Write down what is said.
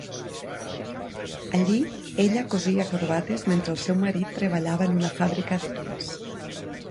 Allí ella cosia corbates mentre el seu marit treballava en una fàbrica de tints.